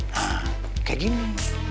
nah kayak gini